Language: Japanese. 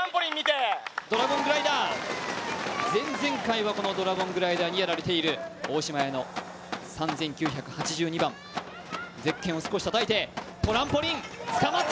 ドラゴングライダー、前々回はこのドラゴングライダーにやられている、大嶋あやの、３９８２番、ゼッケンを少したたいてトランポリン、捕まった。